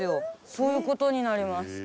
そういう事になります。